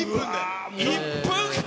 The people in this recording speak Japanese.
１分間。